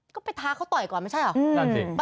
ก็ไปท้าเขาต่อยก่อนไม่ใช่เหรอ